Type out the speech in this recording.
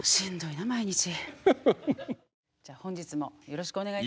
じゃあ本日もよろしくお願いいたします。